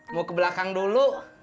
mau ke belakang dulu